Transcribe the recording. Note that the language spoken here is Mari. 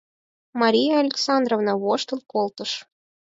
Мария Александровна воштыл колтыш.